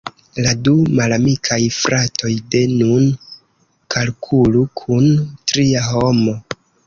La du malamikaj fratoj de nun kalkulu kun tria homo.